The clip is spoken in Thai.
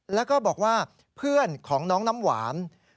แล้วก็บอกว่าเพื่อนของน้องน้ำหวาน